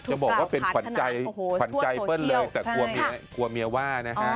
จะบอกว่าเป็นขวัญใจขวัญใจเปิ้ลเลยแต่กลัวเมียว่านะฮะ